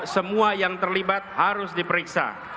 semua yang terlibat harus diperiksa